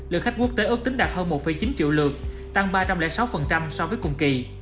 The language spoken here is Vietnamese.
lượng khách quốc tế ước tính đạt hơn một chín triệu lượt tăng ba trăm linh sáu so với cùng kỳ